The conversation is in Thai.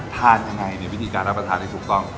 ทานยังไงในวิธีการรับประทานได้ถูกต้อง